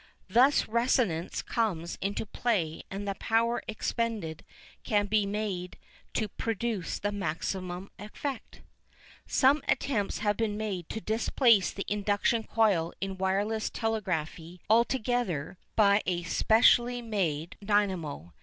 Thus resonance comes into play and the power expended can be made to produce the maximum effect. Some attempts have been made to displace the induction coil in wireless telegraphy altogether by a specially made dynamo.